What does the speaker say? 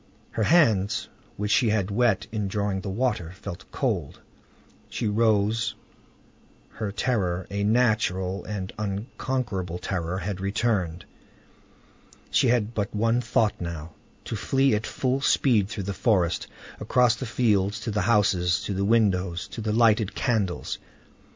Her hands, which she had wet in drawing the water, felt cold; she rose; her terror, a natural and unconquerable terror, had returned: she had but one thought now,—to flee at full speed through the forest, across the fields to the houses, to the windows, to the lighted candles.